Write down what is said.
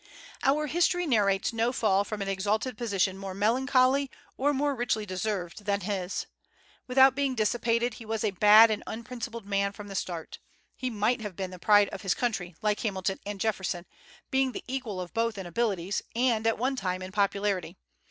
Our history narrates no fall from an exalted position more melancholy, or more richly deserved, than his. Without being dissipated, he was a bad and unprincipled man from the start. He might have been the pride of his country, like Hamilton and Jefferson, being the equal of both in abilities, and at one time in popularity.